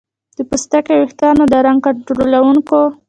د پوستکي او ویښتانو د رنګ کنټرولونکو